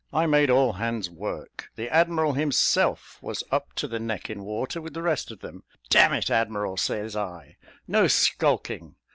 I made all hands work. The admiral himself was up to the neck in water, with the rest of them. 'D n it, admiral,' says I, 'no skulking.'